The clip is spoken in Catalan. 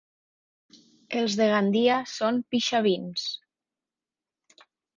Els de Gandia són pixavins.